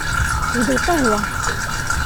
Eg-d lqahwa.